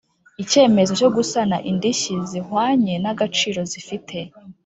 icyemezo cyo gusana indishyi zihwanye n agaciro zifite